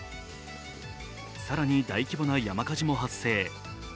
更に、大規模な山火事も発生。